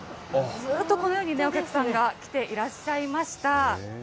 ずっとこのように、お客さんが来ていらっしゃいました。